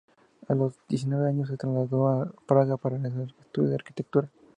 A los diecinueve años se trasladó a Praga para realizar estudios de Arquitectura.